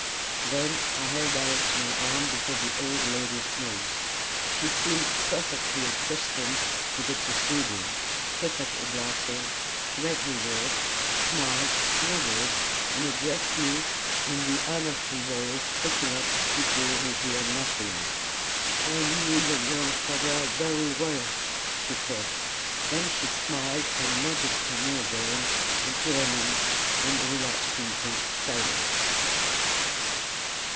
Then I held out my arm before the old lady's nose. She seemed perfectly accustomed to the proceeding, put up her glasses, read the words, smiled, nodded, and addressed me in the unearthly voice peculiar to people who hear nothing. "I knew your grandfather very well," she said. Then she smiled and nodded to me again, and to her niece, and relapsed into silence.